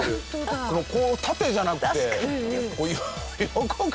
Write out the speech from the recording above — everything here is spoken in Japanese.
こう縦じゃなくて横から。